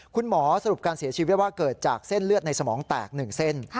คุณหมอสรุปการเสียชีวิตว่าเกิดจากเส้นเลือดในสมองแตก๑เส้น